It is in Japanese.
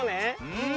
うん。